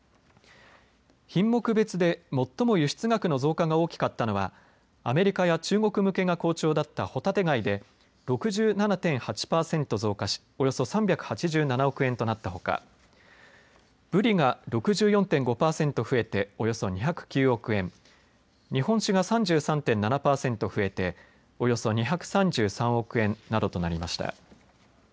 品目別で最も輸出額の増加が大きかったのはアメリカや中国向けが好調だったホタテ貝で６７．８％増加しおよそ３８７億円となったほかぶりが６４．５％増えておよそ２０９億円、日本酒が３３．７％増えておよそ２３３億円などとなりました。